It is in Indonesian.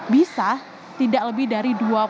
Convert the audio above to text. bisa tidak lebih dari